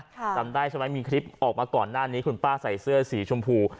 จำได้ใช่ไหมมีคลิปออกมาก่อนหน้านี้คุณป้าใส่เสื้อสีชมพู